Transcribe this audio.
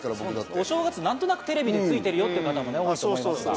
お正月何となくテレビでついてるって方も多いと思います。